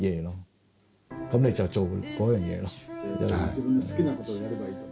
「自分の好きなことをやればいい」と。